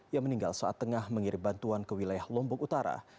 yang meninggal saat tengah mengirim bantuan ke wilayah lombok utara